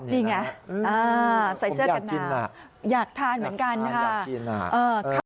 ใช่ไหมใส่เสื้อกันมาอยากทานเหมือนกันฮะค่ะขอบคุณครับ